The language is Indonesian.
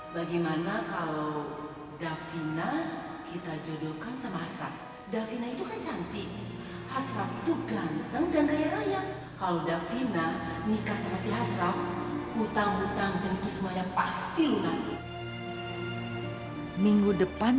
bagaimana kalau davina kita jodohkan sama hasraf